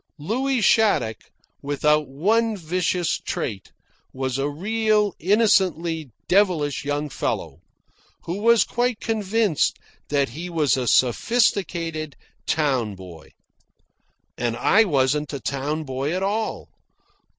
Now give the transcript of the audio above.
Louis Shattuck, without one vicious trait, was a real innocently devilish young fellow, who was quite convinced that he was a sophisticated town boy. And I wasn't a town boy at all.